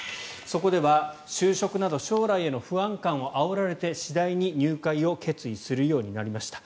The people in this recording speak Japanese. そこでは就職など将来への不安感をあおられて次第に入会を決意するようになりました。